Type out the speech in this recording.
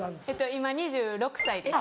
今２６歳です。